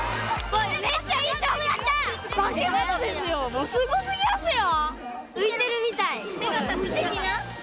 もうすごすぎますよ！